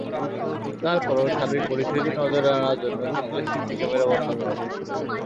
তার পরও সার্বিক পরিস্থিতি নজরে আনার জন্য কেন্দ্রে সিসি ক্যামেরা বসানো হবে।